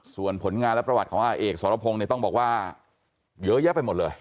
ส่วนผลงานและประวัติของอาเอกสรพงศ์เนี่ยต้องบอกว่าเยอะแยะไปหมดเลย